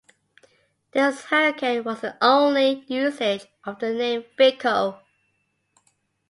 This hurricane was the only usage of the name Fico.